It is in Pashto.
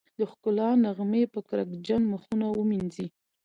د ښکلا نغمې به کرکجن مخونه ومينځي